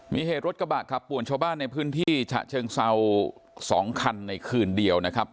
มีเหตุรถกระบะขับป่วนชาวบ้านในพื้นที่ฉะเชิงเซา๒คันในคืนเดียวนะครับ